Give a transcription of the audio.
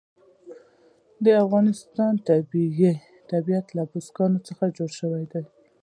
د افغانستان طبیعت له بزګان څخه جوړ شوی دی.